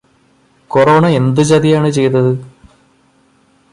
Corona എന്ത് ചതിയാണ് ചെയ്തത്?